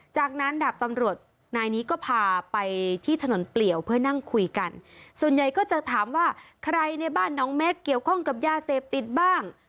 จากนั้นดาบตำรวจนายนี้ก็พาไปที่ถนนเปลี่ยวเพื่อนั่งคุยกันส่วนใหญ่ก็จะถามว่าใครในบ้านน้องแม็กเกี่ยวข้องกับยาเสพติดบ้าง